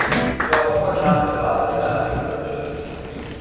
ژاپن با کمبود مواد نفتی روبرو شده بود.